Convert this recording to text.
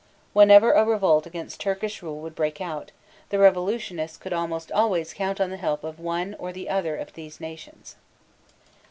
Whenever a revolt against Turkish rule would break out, the revolutionists could almost always count on the help of one or the other of these nations.